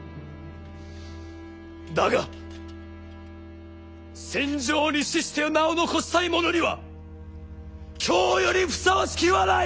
だが戦場に死して名を残したい者には今日よりふさわしき日はない！